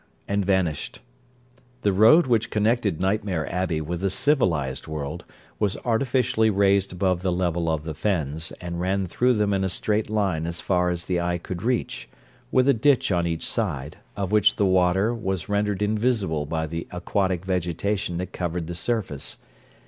and vanished. The road which connected Nightmare Abbey with the civilised world, was artificially raised above the level of the fens, and ran through them in a straight line as far as the eye could reach, with a ditch on each side, of which the water was rendered invisible by the aquatic vegetation that covered the surface.